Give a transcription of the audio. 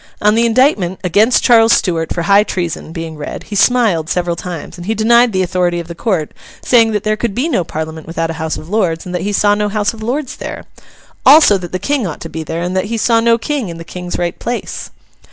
On the indictment 'against Charles Stuart, for high treason,' being read, he smiled several times, and he denied the authority of the Court, saying that there could be no parliament without a House of Lords, and that he saw no House of Lords there. Also, that the King ought to be there, and that he saw no King in the King's right place.